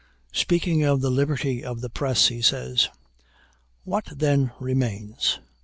Speaking of the liberty of the press, he says "What, then, remains?